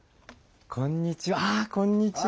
こんにちは。